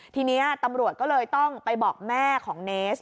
ทีนี้ตำรวจก็เลยต้องไปบอกแม่ของเนส